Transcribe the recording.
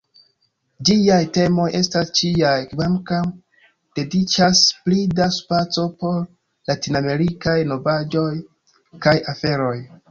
Ĝiaj temoj estas ĉiaj kvankam dediĉas pli da spaco por latinamerikaj novaĵoj kaj aferoj.